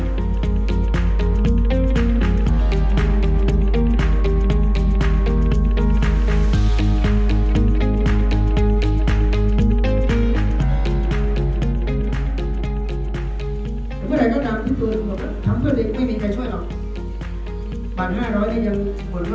แต่เมื่อไหร่ก็ตามคุณฟื้นทำเพื่อตัวเองไม่มีใครช่วยหรอกบัญ๕๐๐บาทก็แพงเลยนะ